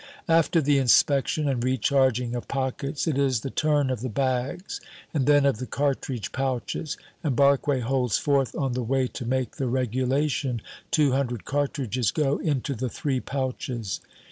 After the inspection and recharging of pockets, it is the turn of the bags, and then of the cartridge pouches, and Barque holds forth on the way to make the regulation two hundred cartridges go into the three pouches.